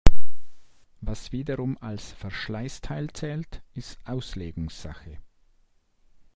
Was wiederum als Verschleißteil zählt, ist Auslegungssache.